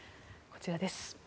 こちらです。